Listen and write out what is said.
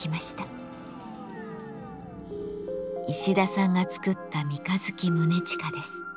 石田さんが作った三日月宗近です。